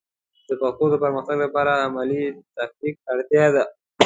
د پښتو د پرمختګ لپاره د علمي تحقیق اړتیا ده.